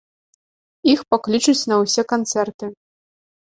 Іх паклічуць на ўсе канцэрты.